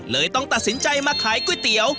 เลยต้องตัดสินใจมาขายก๋วยเตี๋ยว